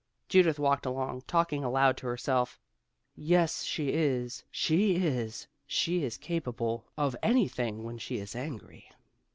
Judith walked along, talking aloud to herself, "Yes, she is! she is! she is capable of anything when she is angry!"